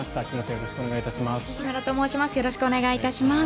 よろしくお願いします。